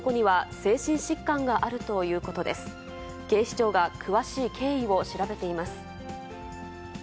警視庁が詳しい経緯を調べています。